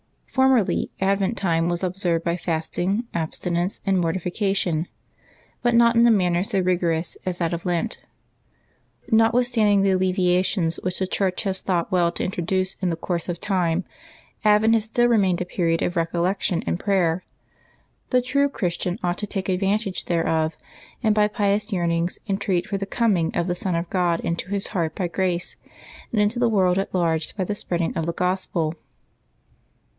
2 Formerly, Advent time was observed by fasting, absti "" nence, and mortification, but not in a manner so rigor ous as that of Lent. Notwithstanding the alleviations which the Church has thought well to introduce in the Ocourse of time. Advent has still remained a period of recol ^lection and prayer. The true Christian ought to take ad vantage thereof, and by pious yearnings entreat for the coming of the Son of God into his heart by grace, and into <^^ the world at large by the spreading of the Gospel.